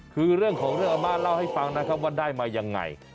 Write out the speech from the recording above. คือเรื่องของเรื่องอาม่าเล่าให้ฟังนะครับว่าได้มายังไง